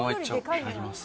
いただきます。